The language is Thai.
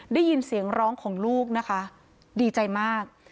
ได้ยินเสียงร้องของลูกนะคะดีใจมาก